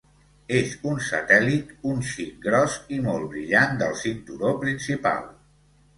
És un satèl·lit un xic gros i molt brillant del cinturó principal.